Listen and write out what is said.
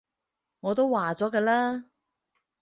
我都話咗嘅啦